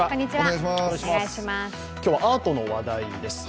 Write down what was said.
今日はアートの話題です。